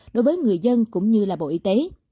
đối với người dân cũng như là bộ y tế